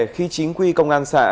khi chính quy công an xã